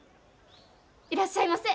いらっしゃいませ！